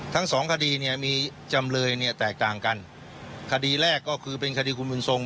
ทั้ง๒คดีมีจำเลยแตกต่างกันคดีแรกก็คือเป็นคดีคุณบุญทรง